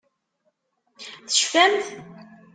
Tecfamt?